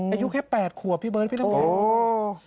อายุแค่๘ขัวพี่เบิ้ลพี่น้ำแผงโอ้โห